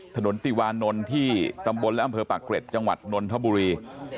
ติวานนท์ที่ตำบลและอำเภอปากเกร็ดจังหวัดนนทบุรี